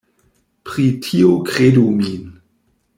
Pri tio kredu min.